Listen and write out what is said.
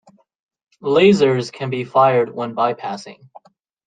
Lasers can be fired when bypassing.